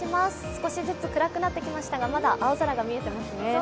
少しずつ暗くなってきましたが、まだ青空が見えていますね。